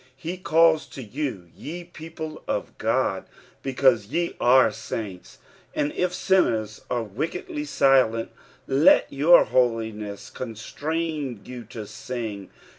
He calls to you, ye people of God, becanau yo are taint* : and if sinners are wickedly silent, let your holiness con strain you to sin^.